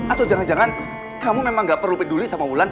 atau jangan jangan kamu memang gak perlu peduli sama wulan